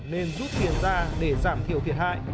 nên rút tiền ra để giảm thiểu thiệt hại